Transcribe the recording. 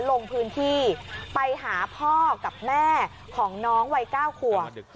ลงพื้นที่ไปหาพ่อกับแม่ของน้องวัย๙ขวบ